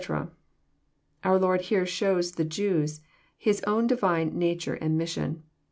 "] Our Lord here shows the Jews His own divine nature and mission.